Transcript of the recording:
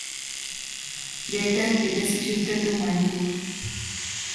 Later it is shifted to Manipur.